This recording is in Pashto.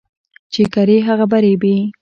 چي کرې، هغه به رېبې.